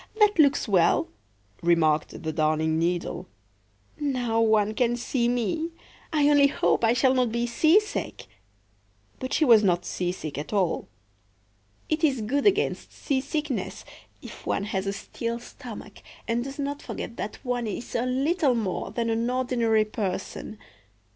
that looks well," remarked the Darning needle. "Now one can see me. I only hope I shall not be seasick!" But she was not seasick at all. "It is good against seasickness, if one has a steel stomach, and does not forget that one is a little more than an ordinary person!